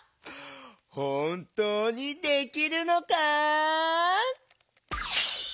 ほんとうにできるのか？